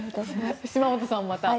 島本さんもまた。